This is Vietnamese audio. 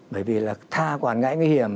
bởi vì là tha quản ngại nguy hiểm